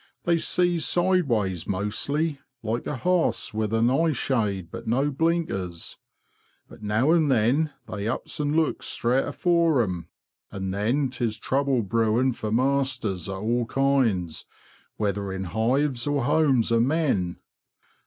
They sees sideways mostly, like a horse with an eye shade but no blinkers. But now and then they ups and looks straight afore 'em, and then 'tis trouble brewing fer masters o' all kinds, whether in hives or homes o' men.